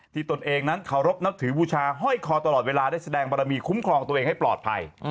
ตนเองนั้นเคารพนับถือบูชาห้อยคอตลอดเวลาได้แสดงบารมีคุ้มครองตัวเองให้ปลอดภัย